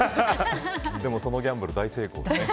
でも、そのギャンブル大成功でしたね。